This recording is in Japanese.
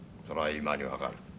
それは今に分かる。